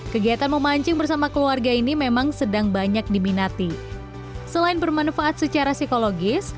kegiatan memancing bersama keluarga ini memang sedang banyak diminati selain bermanfaat secara psikologis